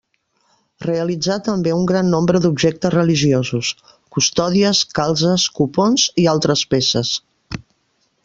Realitzà també un gran nombre d'objectes religiosos: custòdies, calzes, copons i altres peces.